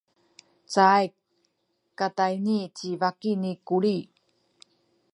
caay katayni ci baki ni Kuli.